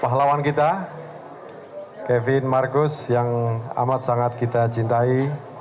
pahlawan kita kevin marcus yang amat sangat kita cintai